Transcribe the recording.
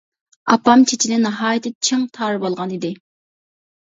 ئاپام چېچىنى ناھايىتى چىڭ تارىۋالغان ئىدى.